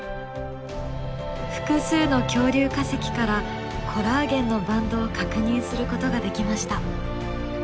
複数の恐竜化石からコラーゲンのバンドを確認することができました。